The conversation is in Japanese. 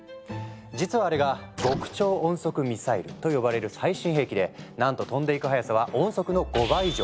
実はあれが極超音速ミサイルと呼ばれる最新兵器でなんと飛んでいく速さは音速の５倍以上。